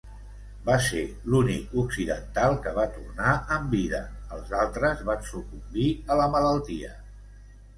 Va ser l'únic occidental que va tornar amb vida, els altres van sucumbir a la malaltia.